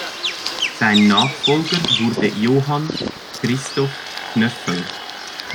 Sein Nachfolger wurde Johann Christoph Knöffel.